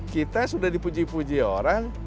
kita sudah dipuji puji orang